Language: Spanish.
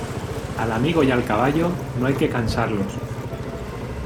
Al amigo y al caballo, no hay que cansarlos.